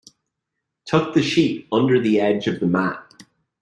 Tuck the sheet under the edge of the mat.